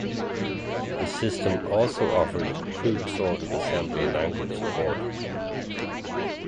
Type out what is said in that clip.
The system also offered a crude sort of assembler language support.